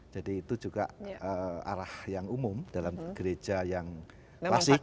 jadi itu juga arah yang umum dalam gereja yang klasik